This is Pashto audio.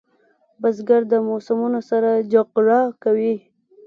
بزګر د موسمو سره جګړه کوي